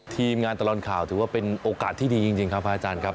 ทีมงานตลอดข่าวถือว่าเป็นโอกาสที่ดีจริงครับพระอาจารย์ครับ